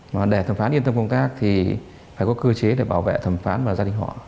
mà để thẩm phán yên tâm công tác thì phải có cơ chế để bảo vệ thẩm phán và gia đình họ